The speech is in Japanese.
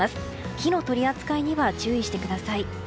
火の取り扱いには注意してください。